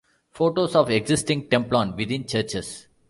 Photos of existing templon within churches.